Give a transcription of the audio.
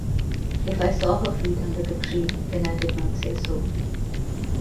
If I saw her feet under the tree, then I did not say so.